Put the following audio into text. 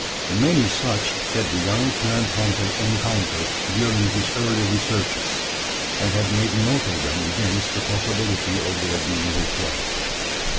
Many such had the young plant hunter encountered during his early researches; and had made note of them against the possibility of their being required.